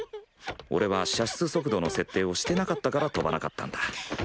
俺は射出速度の設定をしてなかったから飛ばなかったんだ。